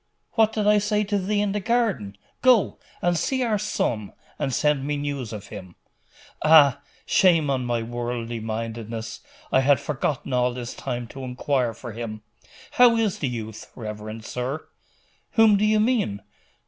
'What did I say to thee in the garden? Go, and see our son, and send me news of him.' 'Ah! shame on my worldly mindedness! I had forgotten all this time to inquire for him. How is the youth, reverend sir?' 'Whom do you mean?